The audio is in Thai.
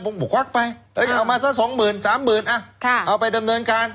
ผมบุกวักไปเอามาซะสองหมื่นสามหมื่นอ่ะค่ะเอาไปดำเนินการ